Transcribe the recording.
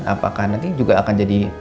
apakah nanti juga akan jadi